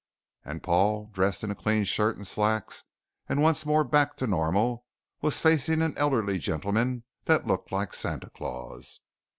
And Paul, dressed in clean shirt and slacks and once more back to normal, was facing an elderly gentleman that looked like Santa Claus.